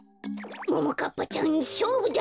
ももかっぱちゃんしょうぶだ！